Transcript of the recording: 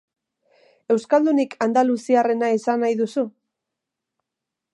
Euskaldunik andaluziarrena izan nahi duzu?